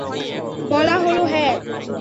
বলা হলো, হ্যাঁ।